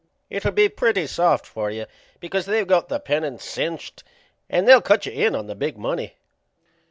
It'll be pretty soft for yQu, because they got the pennant cinched and they'll cut you in on the big money."